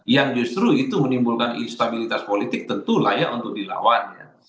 yang justru itu menimbulkan instabilitas politik tentu layak untuk dilawan